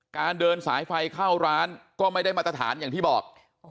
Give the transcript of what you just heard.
เดินสายไฟเข้าร้านก็ไม่ได้มาตรฐานอย่างที่บอก